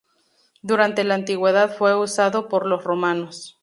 Durante la antigüedad fue usado por los romanos.